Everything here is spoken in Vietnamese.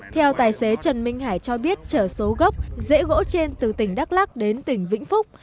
theo tài xế trần minh hải cho biết chở số gốc rễ gỗ trên từ tỉnh đắk lắc đến tỉnh vĩnh phúc